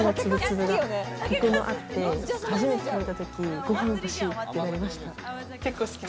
コクもあって初めて食べたとき、ご飯欲しいって思いました。